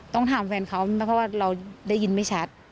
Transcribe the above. ต้องถามแฟนเขานะเพราะว่าเราได้ยินไม่ชัด